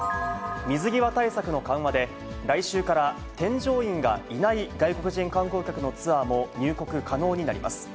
水際対策の緩和で、来週から添乗員がいない外国人観光客のツアーも入国可能になります。